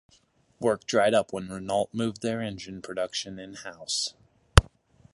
Work dried up when Renault moved their engine production in-house.